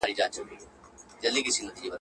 د خپل ورور مړی په ډېر درنښت سره ښخوي